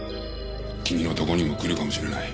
君のとこにも来るかもしれない。